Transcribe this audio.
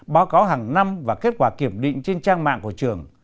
báo cáo hàng năm và kết quả kiểm định trên trang mạng của trường